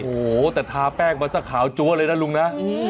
โอ้โหแต่ทาแป้งมาสักขาวจั๊วเลยนะลุงนะ